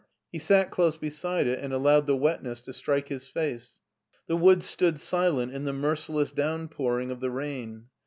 He sat close beside it and allowed the wetness to strike his face. The woods stood silent in the merciless downpouring of the rain.